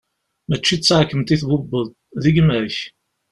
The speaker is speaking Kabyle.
Mačči d taɛkemt i tbubbeḍ, d gma-k!